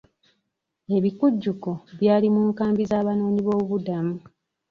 Ebikujjuko byali mu nkambi z'abanoonyiboobubudamu.